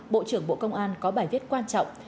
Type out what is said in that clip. bộ trưởng bộ công an có bài viết quan trọng